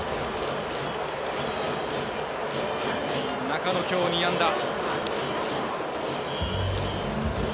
中野、きょう２安打。